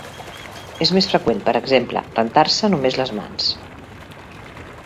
És més freqüent, per exemple, rentar-se només les mans.